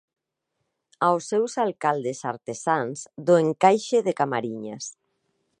Aos seus alcaldes artesáns do encaixe de Camariñas.